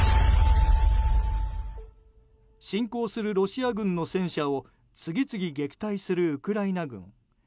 侵攻するロシア軍の戦車を次々撃退するウクライナ軍。